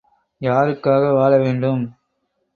யாருக்காக வாழ வேண்டும்?